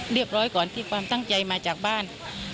เรียบร้อยก่อนที่ความตั้งใจมาจากบ้าน